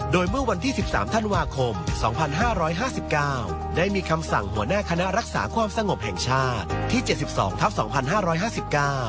โดยเมื่อวันที่๑๓ท่านวาคม๒๕๕๙ได้มีคำสั่งหัวหน้าคณะรักษาความสงบแห่งชาติที่๗๒ทับ๒๕๕๙